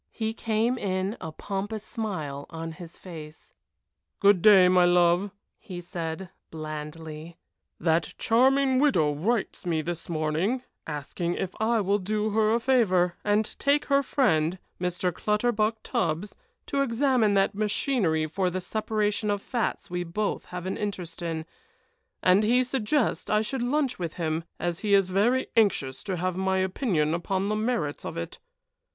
He came in, a pompous smile on his face. "Good day, my love," he said, blandly. "That charming widow writes me this morning, asking if I will do her a favor, and take her friend, Mr. Clutterbuck Tubbs, to examine that machinery for the separation of fats we both have an interest in, and he suggests I should lunch with him, as he is very anxious to have my opinion upon the merits of it."